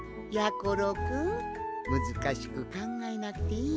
ころくんむずかしくかんがえなくていいんじゃ。